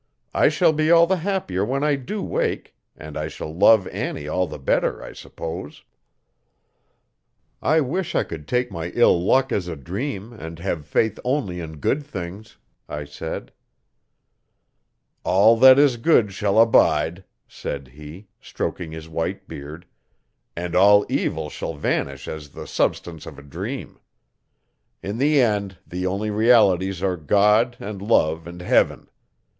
I shall be all the happier when I do wake, and I shall love Annie all the better, I suppose. 'I wish I could take my bad luck as a dream and have faith only in good things,' I said. 'All that is good shall abide,' said he, stroking his white beard, 'and all evil shall vanish as the substance of a dream. In the end the only realities are God and love and Heaven.